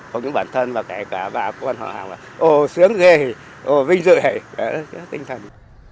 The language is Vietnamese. còn những bản thân và kể cả bà của quân hòa hạng là ồ sướng ghê ồ vinh dự hảy cái tinh thần